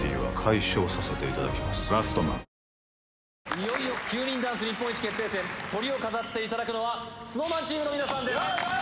いよいよ９人ダンス日本一決定戦トリを飾っていただくのはチームの皆さんですよっしゃ！